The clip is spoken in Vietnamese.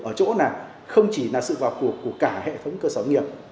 ở chỗ này không chỉ là sự vào cuộc của cả hệ thống cơ sở nghiệp